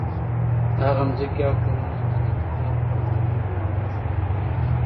هغه مځکي او کورونه به د چټل پوځ په وينو او غوښو لړل کيږي